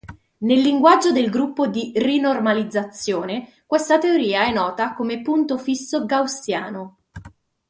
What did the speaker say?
Nel linguaggio del gruppo di rinormalizzazione questa teoria è nota come punto fisso gaussiano.